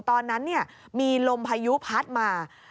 ตอนนั้นมีลมพายุพัดมา